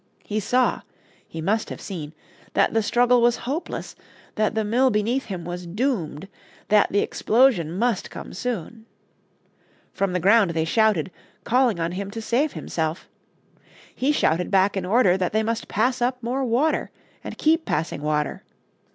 He saw he must have seen that the struggle was hopeless, that the mill beneath him was doomed, that the explosion must come soon. From the ground they shouted, calling on him to save himself. He shouted back an order that they pass up more water, and keep passing water.